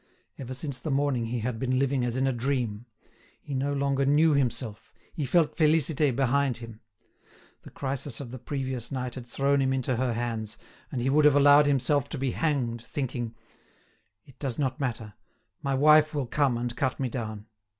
Ever since the morning he had been living as in a dream; he no longer knew himself; he felt Félicité behind him. The crisis of the previous night had thrown him into her hands, and he would have allowed himself to be hanged, thinking: "It does not matter, my wife will come and cut me down."